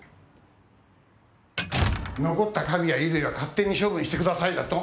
残った家具や衣類は勝手に処分してくださいだと。